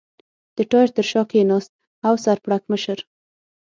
د ټایر تر شا کېناست او د سر پړکمشر.